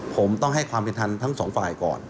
ผมต้องให้ความเป็นธรรมทั้งสองฝ่ายก่อน